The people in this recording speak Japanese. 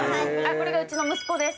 これがうちの息子です